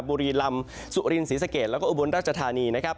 บุรีลำสุรินศรีสะเกดแล้วก็อุบลราชธานีนะครับ